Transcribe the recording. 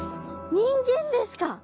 人間ですか！